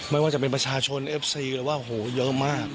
ไม่ว่าจะเป็นประชาชนเอฟซีหรือว่าโหเยอะมาก